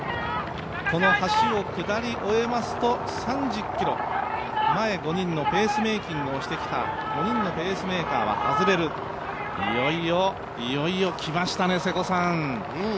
この橋を下り終えますと３０ｋｍ、前５人のペースメーキングをしてきたペースメーカーは外れる、いよいよ来ましたね、瀬古さん。